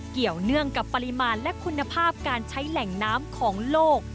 เกี่ยวเนื่องกับปริมาณและคุณภาพการใช้แหล่งน้ำของโลก